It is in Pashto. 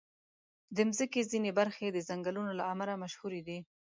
د مځکې ځینې برخې د ځنګلونو له امله مشهوري دي.